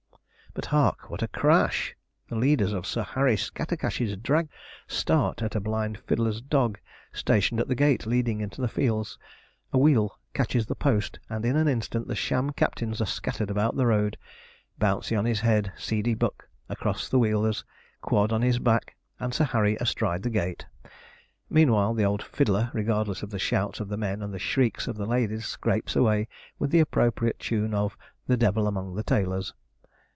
But hark what a crash! The leaders of Sir Harry Scattercash's drag start at a blind fiddler's dog stationed at the gate leading into the fields, a wheel catches the post, and in an instant the sham captains are scattered about the road: Bouncey on his head, Seedeyhuck across the wheelers, Quod on his back, and Sir Harry astride the gate. Meanwhile, the old fiddler, regardless of the shouts of the men and the shrieks of the ladies, scrapes away with the appropriate tune of 'The Devil among the Tailors!'